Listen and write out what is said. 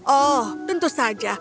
oh tentu saja